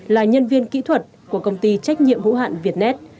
là nhân viên kỹ thuật của công ty trách nhiệm hữu hạn việtnet